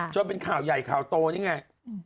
จนเป็นข่าวใหญ่ข่าวโตนี่ไง